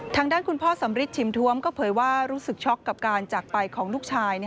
ทางด้านคุณพ่อสำริทชิมทวมก็เผยว่ารู้สึกช็อกกับการจากไปของลูกชาย